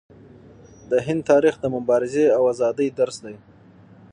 د هند تاریخ د مبارزې او ازادۍ درس دی.